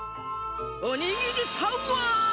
おにぎりパワー！